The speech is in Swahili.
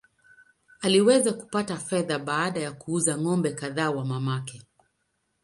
Aliweza kupata fedha baada ya kuuza ng’ombe kadhaa wa mamake.